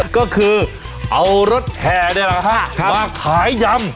ก็คือเอารถแห่นี่แหละครับครับมาขายยำ